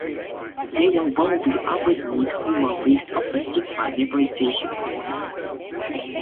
They were one of the aborigines who were least affected by Nepalisation.